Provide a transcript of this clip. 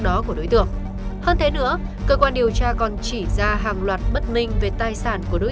đó của đối tượng hơn thế nữa cơ quan điều tra còn chỉ ra hàng loạt bất minh về tài sản của đối